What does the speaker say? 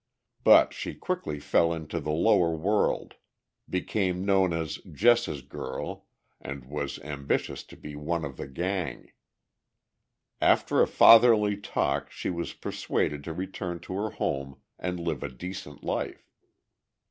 But she quickly fell into the lower world, became known as Jess's girl, and was ambitious to be "one of the gang." After a fatherly talk she was persuaded to return to her home and live a decent life.